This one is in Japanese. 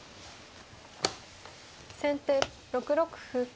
先手６六歩。